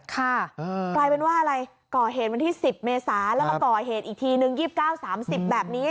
กลายเป็นว่าอะไรก่อเหตุวันที่๑๐เมษาแล้วมาก่อเหตุอีกทีนึง๒๙๓๐แบบนี้